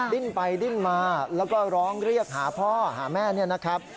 ดิ้นไปดิ้นมาแล้วก็ร้องเรียกหาพ่อหาแม่เนี่ยนะครับ